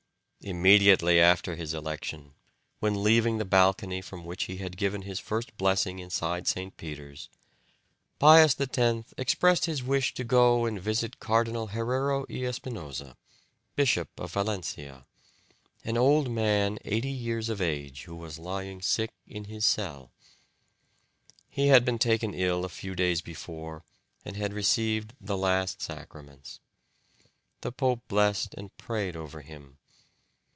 Immediately after his election, when leaving the balcony from which he had given his first blessing inside St. Peter's, Pius X expressed his wish to go and visit Cardinal Herrero y Espinosa, Archbishop of Valencia, an old man eighty years of age who was lying sick in his cell. He had been taken ill a few days before and had received the last sacraments. The pope blessed and prayed over him.